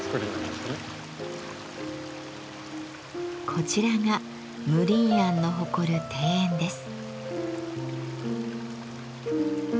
こちらが無鄰菴の誇る庭園です。